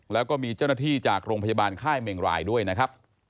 แล้วก็มีเจ้าหน้าที่จากโรงพยาบาลค่ายเมงรายด้วยนะครับ